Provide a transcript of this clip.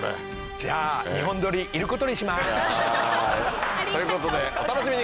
じゃあ２本撮りいることにします。ということでお楽しみに！